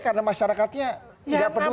karena masyarakatnya tidak peduli